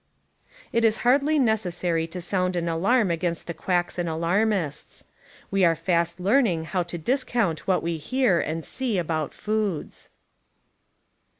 It is hardly necessary to sound an alarm against the quacks and alarmists. We are fast learning how to discount what we hear and see about foods.